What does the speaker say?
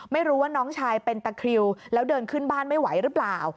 ไม่รู้ว่าน้องชายเป็นตะคริวแล้วเดินขึ้นบ้านไม่ไหวหรือเปล่า